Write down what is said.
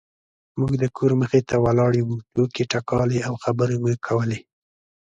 موږ د کور مخې ته ولاړې وو ټوکې ټکالې او خبرې مو کولې.